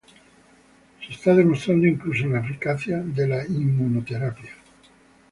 Se está demostrando incluso la eficacia de la inmunoterapia.